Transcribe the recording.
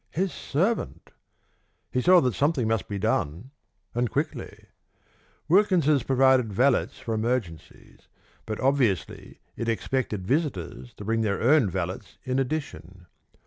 "His servant!" He saw that something must be done, and quickly. Wilkins's provided valets for emergencies, but obviously it expected visitors to bring their own valets in addition.